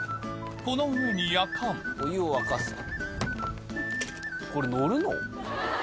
この上にやかんお湯を沸かすと。